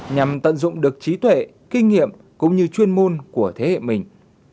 nhằm tận dụng được trí tuệ kinh nghiệm cũng như chuyên môn của thế hệ mình